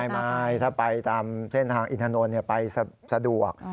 ไม่ถ้าไปตามเส้นทางอินถนนไปสะดวก